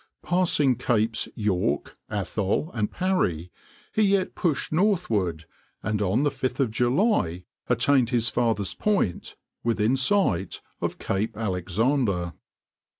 Passing Capes York, Atholl and Parry, he yet pushed northward, and on 5th July attained his farthest point within sight of Cape Alexander.